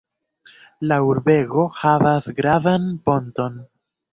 La urbego havas gravan ponton.